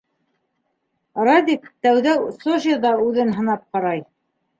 Радик тәүҙә Сочиҙа үҙен һынап ҡарай.